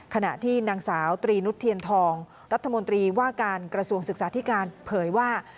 ขณะที่นางสาวตรีนุษเทียนทองรัฐมนตรีว่าการกระทรวงศึกษาธิการเผยว่า